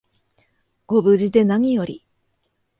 ご無事でなにより